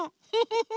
フフフ。